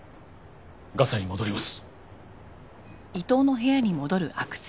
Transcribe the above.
ガサに戻ります。